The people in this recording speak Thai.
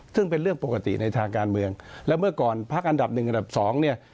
ซึ่งเป็นเรื่องปกติในทางการเมืองแล้วเมื่อก่อนพักอันดับหนึ่งอันดับสองเนี่ย